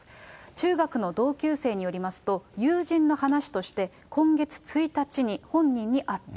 中学の同級生によりますと、友人の話として、今月１日に本人に会った。